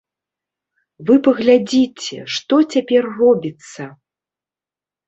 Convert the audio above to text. Вы паглядзіце, што цяпер робіцца.